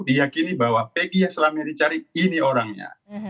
diakini bahwa pg yang selama ini dicari ini orangnya